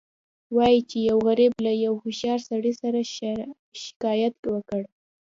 وایي چې یو غریب له یو هوښیار سړي سره شکایت وکړ.